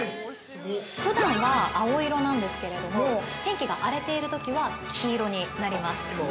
ふだんは青色なんですけれども、天気が荒れているときは黄色になります。